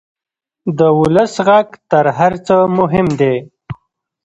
د ولس غږ تر هر څه مهم دی.